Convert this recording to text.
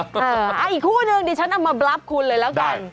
อีกคู่นึงดิฉันเอามาบรับคุณเลยแล้วกัน